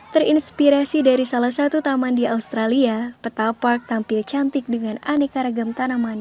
terinspirasi dari salah satu taman di australia petapark tampil cantik dengan aneka ragam tanaman